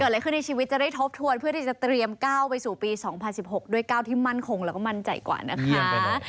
อะไรขึ้นในชีวิตจะได้ทบทวนเพื่อที่จะเตรียมก้าวไปสู่ปี๒๐๑๖ด้วย๙ที่มั่นคงแล้วก็มั่นใจกว่านะคะ